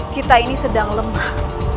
kita ini sedang lemah